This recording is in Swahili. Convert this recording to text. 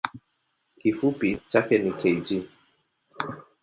Kifupi chake ni kg.